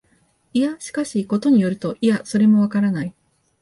いや、しかし、ことに依ると、いや、それもわからない、